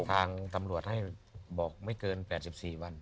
ทางตำรวจให้บอกไม่เกิน๘๔วัน